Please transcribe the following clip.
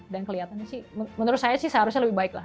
dan kelihatannya sih menurut saya sih seharusnya lebih baik lah